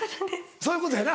そういうことやな。